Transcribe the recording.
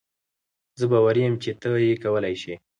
زۀ باوري يم چې تۀ یې کولای شې.